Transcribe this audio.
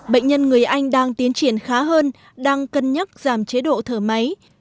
bệnh nhân người anh đang tiến triển khá hơn đang cân nhắc giảm chế độ thở máy